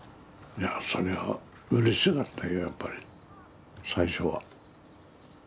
いやそれはうれしかったよやっぱり最初は。